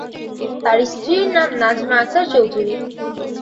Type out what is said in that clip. তার স্ত্রীর নাম নাজমা আক্তার চৌধুরী।